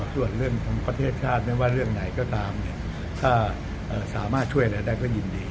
ส่วนเรื่องของประเทศชาติไม่ว่าเรื่องไหนก็ตามถ้าสามารถช่วยอะไรได้ก็ยินดี